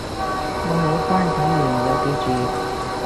我好乖睇完有記住